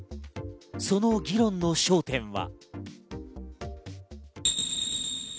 その議論の焦点は。